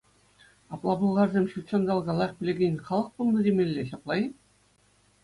Апла пӑлхарсем ҫутҫанталӑка лайӑх пӗлекен халӑх пулнӑ темелле, ҫапла-и?